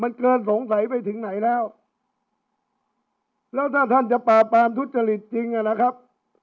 มันเกินสงสัยไปถึงไหนแล้วแล้วถ้าท่านจะปราบปรามทุจริตจริงอ่ะนะครับ